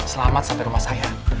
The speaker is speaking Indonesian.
selamat sampai rumah saya